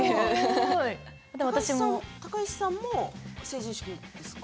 高石さんも成人式ですか？